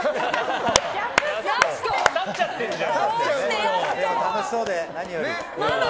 立っちゃってるじゃん。